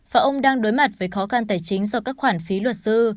và ông đang đối mặt với khó khăn tài chính do các khoản phí luật sư